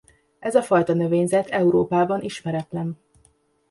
Ez a fajta növényzet Európában ismeretlen.